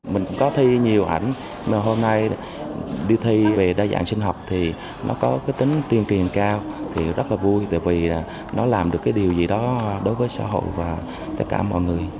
mình cũng có thi nhiều ảnh mà hôm nay đi thi về đa dạng sinh học thì nó có cái tính tuyên truyền cao thì rất là vui tại vì nó làm được cái điều gì đó đối với xã hội và tất cả mọi người